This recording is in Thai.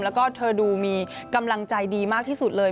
แล้วก็เธอดูมีกำลังใจดีมากที่สุดเลย